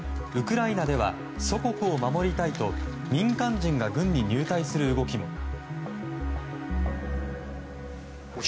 ウクライナでは祖国を守りたいと民間人が軍に入隊する動きも。